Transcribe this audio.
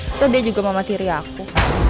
nanti dia juga mau matiri aku